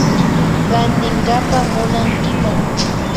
Rantinkapa munankiman